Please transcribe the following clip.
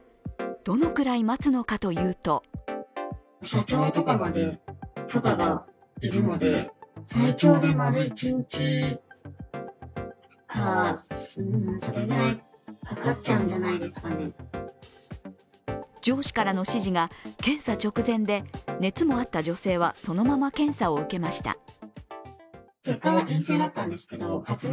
どのくらい待つのかというと上司からの指示が検査直前で熱もあった女性はそのまま検査を受けました。